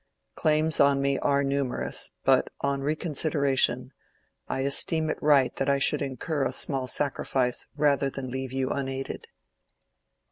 Claims on me are numerous, but on reconsideration, I esteem it right that I should incur a small sacrifice rather than leave you unaided.